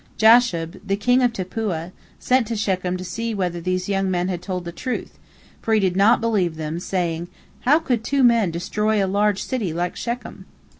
Jashub, the king of Tappuah, sent to Shechem to see whether these young men told the truth, for he did not believe them, saying, "How could two men destroy a large city like Shechem?"